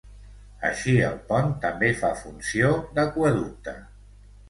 Així el pont també fa funció d'aqüeducte.